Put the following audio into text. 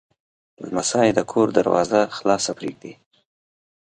لمسی د کور دروازه خلاصه پرېږدي.